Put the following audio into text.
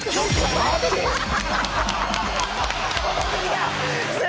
戻ってきた！